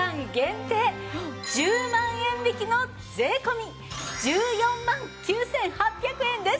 １０万円引きの税込１４万９８００円です。